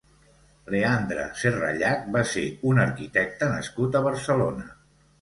Leandre Serrallach va ser un arquitecte nascut a Barcelona.